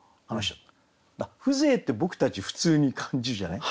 風情って僕たち普通に感じるじゃない？